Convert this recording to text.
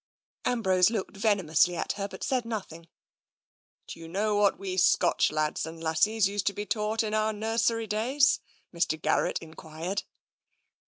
Ambrose looked venomously at her, but said noth ing. Do you know what we Scotch lads and lassies used to be taught in our nursery days ?" Mr. Garrett en quired.